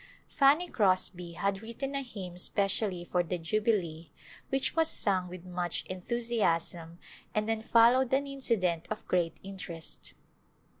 Fanny Crosby had written a hymn specially for the Jubilee which was sung with much enthusiasm and then followed an incident of great interest.